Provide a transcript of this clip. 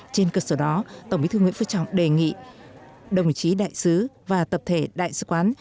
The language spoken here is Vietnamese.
trên cơ sở đó tổng bí thư nguyễn phú trọng đề nghị đồng chí đại sứ và tập thể đại sứ quán